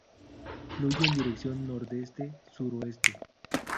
Fluye en dirección nordeste-suroeste.